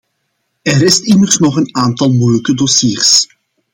Er rest immers nog een aantal moeilijke dossiers.